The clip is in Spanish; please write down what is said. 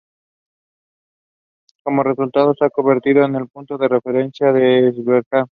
Como resultado, se ha convertido en el punto de referencia de Esbjerg.